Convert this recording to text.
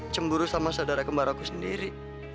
cemburu sama saudara kembaraku sendiri